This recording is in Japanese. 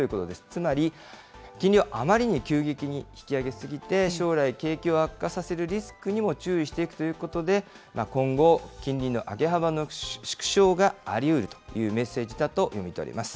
つまり金利をあまりに急激に引き上げすぎて、将来、景気を悪化させるリスクにも注意していくということで、今後、金利の上げ幅の縮小がありうるというメッセージだと読み取れます。